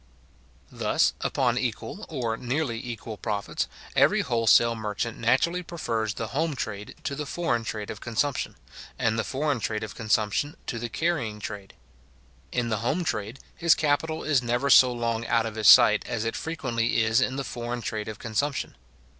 Thus, upon equal, or nearly equal profits, every wholesale merchant naturally prefers the home trade to the foreign trade of consumption, and the foreign trade of consumption to the carrying trade. In the home trade, his capital is never so long out of his sight as it frequently is in the foreign trade of consumption.